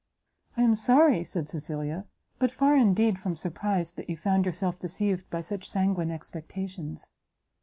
"I am sorry," said Cecilia, "but far indeed from surprised, that you found yourself deceived by such sanguine expectations."